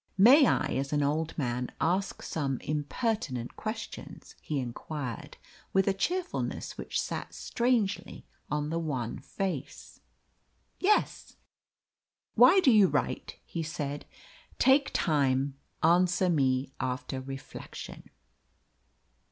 "May I, as an old man, ask some impertinent questions?" he inquired, with a cheerfulness which sat strangely on the wan face. "Yes." "Why do you write?" he said. "Take time; answer me after reflection."